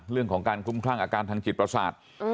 เรื่องของการคุ้มคลั่งอาการทางจิตประสาท